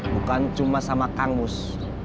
bukan cuma sama kang mus